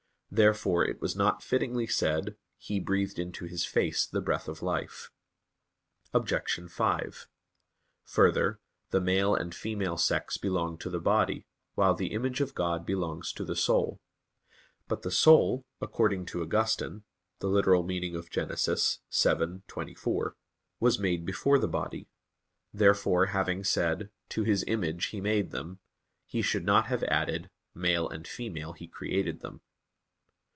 Therefore it was not fittingly said: "He breathed into his face the breath of life." Obj. 5: Further, the male and female sex belong to the body, while the image of God belongs to the soul. But the soul, according to Augustine (Gen. ad lit. vii, 24), was made before the body. Therefore having said: "To His image He made them," he should not have added, "male and female He created them."